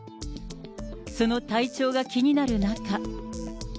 その体調が気になる中。